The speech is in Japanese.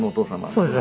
そうです。